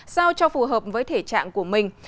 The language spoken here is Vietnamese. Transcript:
sao cho phù hợp với thể trạng của mình